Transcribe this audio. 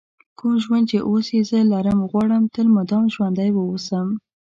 کوم ژوند چې اوس یې زه لرم غواړم تل مدام ژوندی ووسم.